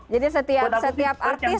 jadi setiap artis